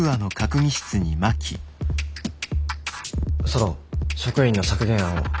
ソロン職員の削減案を。